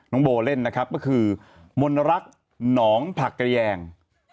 น้องโบเล่นนะครับก็คือมนรักหนองผักกระแยง